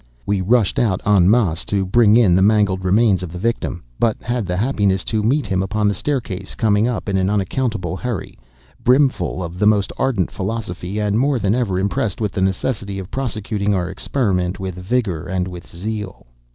We rushed out en masse to bring in the mangled remains of the victim, but had the happiness to meet him upon the staircase, coming up in an unaccountable hurry, brimful of the most ardent philosophy, and more than ever impressed with the necessity of prosecuting our experiment with vigor and with zeal.